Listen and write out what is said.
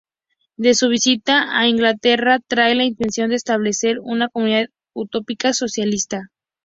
De su visita a Inglaterra trae la intención de establecer una comunidad utópica socialista.